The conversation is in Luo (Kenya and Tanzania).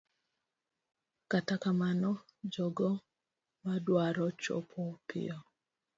Kata kamano, jogo madwaro chopo piyo